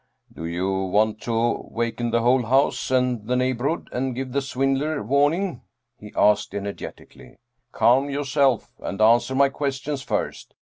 " Do you want to waken the whole house and the neighborhood, and give the swindler warning ?" he asked energetically. " Calm yourself and answer my questions first.